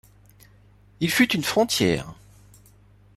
Il fut une frontière.